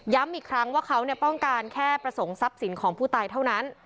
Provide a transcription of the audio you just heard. อีกครั้งว่าเขาป้องกันแค่ประสงค์ทรัพย์สินของผู้ตายเท่านั้น